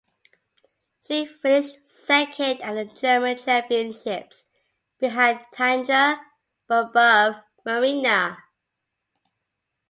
She finished second at the German Championships behind Tanja but above Marina.